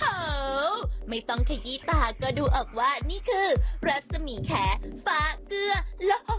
โอ้โหไม่ต้องขยี้ตาก็ดูออกว่านี่คือรัศมีแขฟ้าเกลือหล่อ